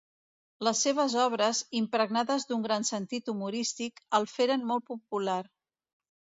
Les seves obres, impregnades d'un gran sentit humorístic, el feren molt popular.